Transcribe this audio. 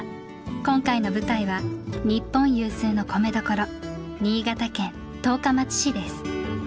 今回の舞台は日本有数の米どころ新潟県十日町市です。